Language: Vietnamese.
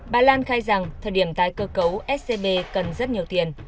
bà lan khai rằng thời điểm tái cơ cấu scb cần rất nhiều tiền